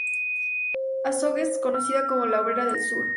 Azogues: conocida como "La Obrera del Sur".